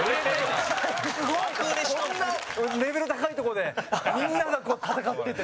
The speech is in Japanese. こんなレベル高いとこでみんなが、こう戦ってて。